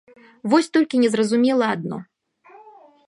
Вось толькі незразумела адно.